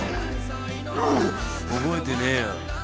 覚えてねえよ。